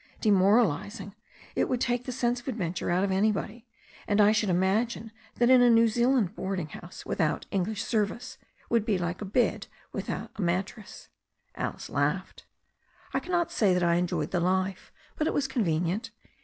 Demoralizing I It would take the sense of adventure out of anybody. And I should im agine that a New Zealand boarding house without English service would be like a bed without a mattress/' Alice laughed. "I cannot say that I enjoyed the life. But it was conveni ent.